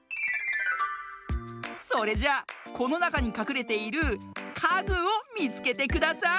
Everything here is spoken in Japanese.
それじゃあこのなかにかくれている「かぐ」をみつけてください。